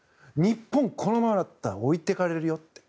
日本、このままだったら置いて行かれるよ。